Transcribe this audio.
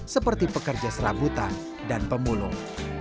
seperti pekerja serabutan dan pemulung